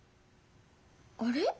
あれ？